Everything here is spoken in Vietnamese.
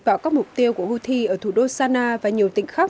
vào các mục tiêu của houthi ở thủ đô sana và nhiều tỉnh khác